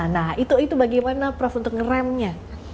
nah itu bagaimana prof untuk ngeremnya